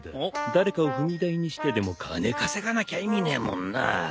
誰かを踏み台にしてでも金稼がなきゃ意味ねえもんな。